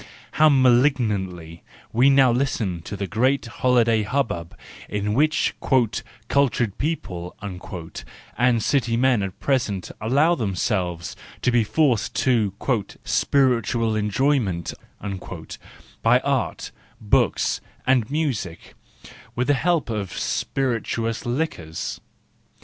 How malignantly we now listen to the great holiday hubbub with which "cultured people" and city men at present allow themselves to be forced to "spiritual enjoyment" by art, books, and music, with the help of spirituous liquors!